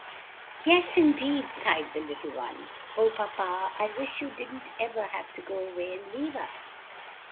"Yes, indeed!" sighed the little one. "O papa, I wish you didn't ever have to go away and leave us!"